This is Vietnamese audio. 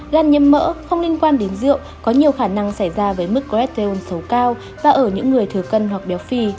gan nhiễm mỡ không liên quan đến rượu có nhiều khả năng xảy ra với mức greton xấu cao và ở những người thừa cân hoặc béo phi